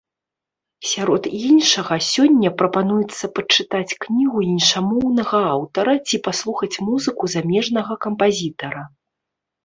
Сярод іншага, сёння прапануецца пачытаць кнігу іншамоўнага аўтара ці паслухаць музыку замежнага кампазітара.